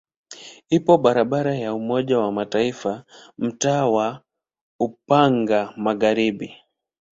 Ipo barabara ya Umoja wa Mataifa mtaa wa Upanga Magharibi.